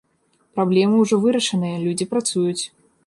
Праблема ўжо вырашаная, людзі працуюць.